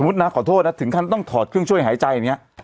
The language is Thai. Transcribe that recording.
แต่ถึงธ่อนต้องถอดเครื่องช่วยหายใจ